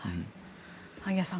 萩谷さん